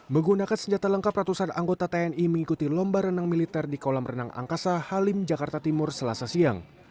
menggunakan senjata lengkap ratusan anggota tni mengikuti lomba renang militer di kolam renang angkasa halim jakarta timur selasa siang